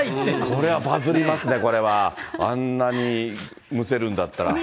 これはバズりますね、これは、あんなにむせるんだったら。